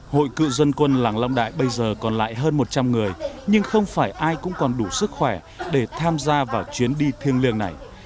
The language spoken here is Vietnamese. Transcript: hội cựu dân quân làng long đại bây giờ còn lại hơn một trăm linh người nhưng không phải ai cũng còn đủ sức khỏe để tham gia vào chuyến đi thiêng liêng này